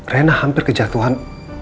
reina hampir kejatuhan